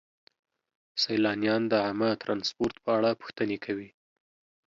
سیلانیان د عامه ترانسپورت په اړه پوښتنې کوي.